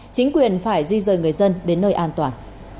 chính quyền phải di rời người dân đến nơi an toàn